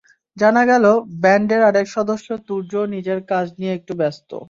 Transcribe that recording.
জানা গেল, ব্যান্ডের আরেক সদস্য তুর্য নিজের কাজ নিয়ে একটু ব্যস্ত।